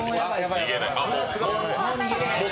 逃げない。